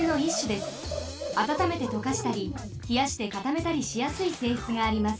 あたためてとかしたりひやしてかためたりしやすいせいしつがあります。